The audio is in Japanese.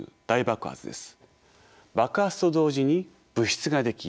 爆発と同時に物質が出来